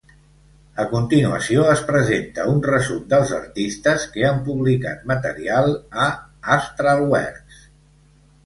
A continuació es presenta un resum dels artistes que han publicat material a Astralwerks.